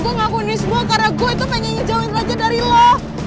gue ngakuin ini semua karena gue itu pengen ngejauhin raja dari lo